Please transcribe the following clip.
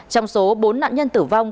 trong số bốn nạn nhân tử vong